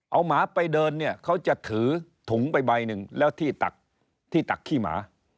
เอาหมาไปเดินเขาจะถือถุงใบหนึ่งแล้วที่ตักขี้หมา